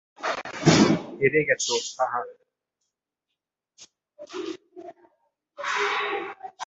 হেরে গেছো, হাহা!